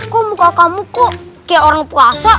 kok muka kamu kok kayak orang puasa